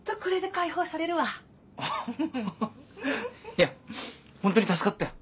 いやホントに助かったよ。